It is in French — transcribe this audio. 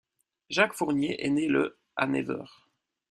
Jacques Fournier est né le à Nevers.